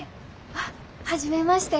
あっ初めまして。